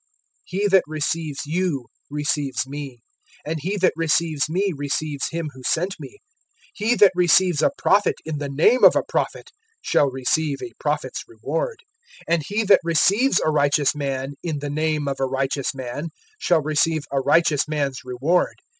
(40)He that receives you receives me; and he that receives me receives him who sent me. (41)He that receives a prophet in the name of a prophet shall receive a prophet's reward; and he that receives a righteous man in the name of a righteous man shall receive a righteous man's reward.